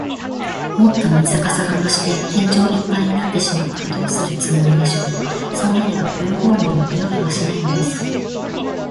もっと水かさが増して、天井いっぱいになってしまったら、どうするつもりでしょう。そうなれば、泳ごうにも泳げはしないのです。